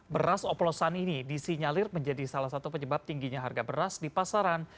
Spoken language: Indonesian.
beras oplosan ini disinyalir menjadi salah satu penyebab tingginya harga beras di pasaran